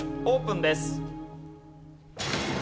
オープンです。